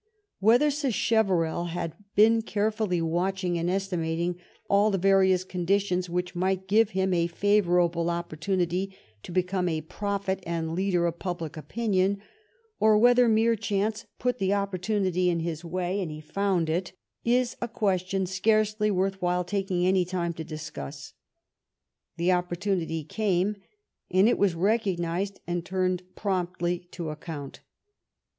Whether Sacheverell had been carefully watching and estimating all the various conditions which might give him a favorable opportunity to become a prophet and leader of public opinion, or whether mere chance put the opportunity in his way and he found it, is a question scarcely worth while taking any time to dis cuss. The opportunity came, and it was recognized and turned promptly to account.